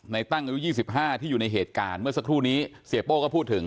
ตั้งอายุ๒๕ที่อยู่ในเหตุการณ์เมื่อสักครู่นี้เสียโป้ก็พูดถึง